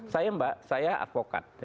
saya mbak saya advokat